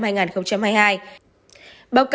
báo cáo cũng cho thấy rằng